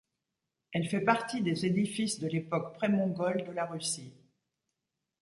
Elle fait partie des édifices de l'époque pré-mongole de la Russe.